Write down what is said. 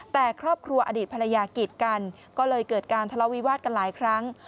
แต่ครอบครัวอดีตภรรยากีดกันก็เลยเกิดการทะเลาวิวาสกันหลายครั้ง